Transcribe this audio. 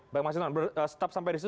bang mas hinton tetap sampai di situ